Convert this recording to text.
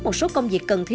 một số công việc cần thiết